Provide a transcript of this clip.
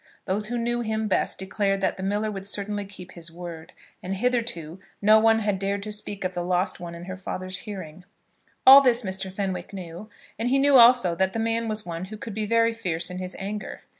Those who knew him best declared that the miller would certainly keep his word, and hitherto no one had dared to speak of the lost one in her father's hearing. All this Mr. Fenwick knew, and he knew also that the man was one who could be very fierce in his anger.